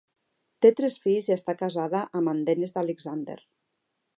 Té tres fills i està casada amb en Dennis Alexander.